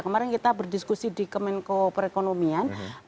kemarin kita berdiskusi di kemenko perekonomian